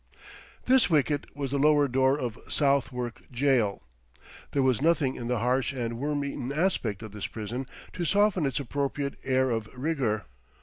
This wicket was the lower door of Southwark Jail. There was nothing in the harsh and worm eaten aspect of this prison to soften its appropriate air of rigour.